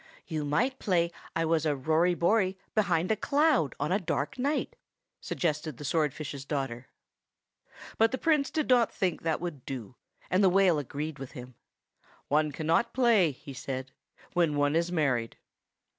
"You might play I was a Rory Bory behind a cloud on a dark night," suggested the swordfish's daughter. But the Prince did not think that would do, and the whale agreed with him. "One cannot play," he said, "when one is married."